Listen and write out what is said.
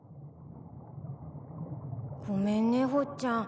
ごめんねほっちゃん。